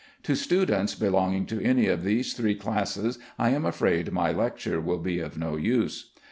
To students belonging to any of these three classes I am afraid my lecture will be of no use.